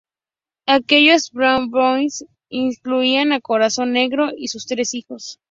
Aquellos Beagle Boys incluían a "Corazón Negro" y sus tres hijos.